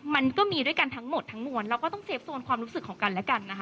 มันก็มีด้วยกันทั้งหมดทั้งมวลเราก็ต้องเซฟโซนความรู้สึกของกันและกันนะคะ